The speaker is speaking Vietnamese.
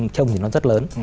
trông thì nó rất lớn